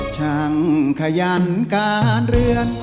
ช่างขยันการเรือน